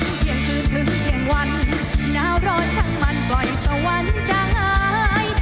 กลับกลางดินกินกินก็ไม่ค่อยอิ่มหน้าเปือนสนิมดินปืนและความตาย